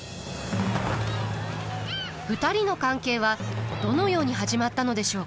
２人の関係はどのように始まったのでしょうか。